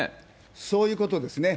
そういうことですね。